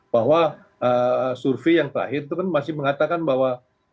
bahwa survei yang terakhir itu kan masih mengatakan bahwa